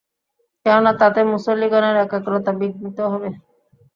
কেননা, তাতে মুসল্লীগণের একাগ্রতা বিঘ্নিত হবে।